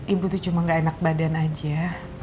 ibu tuh cuma gak enak badan aja